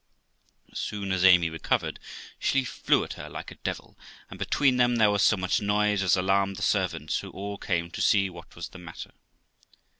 As soon as Amy recovered, she flew at her like a devil, and between them there was so much noise as alarmed the servants, who all came to see what was the matter.